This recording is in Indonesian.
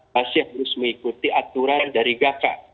masih harus mengikuti aturan dari gaka